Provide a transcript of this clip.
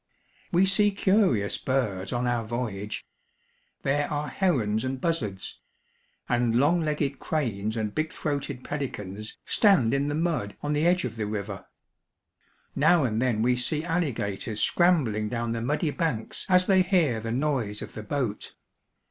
We see curious birds on our voy age. There are herons and buzzards ; and long legged cranes and big throated pelicans stand in the mud on the edge of the river. Now and then we see alligators scrambHng down the muddy banks as they hear the noise of the boat.